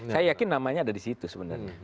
saya yakin namanya ada di situ sebenarnya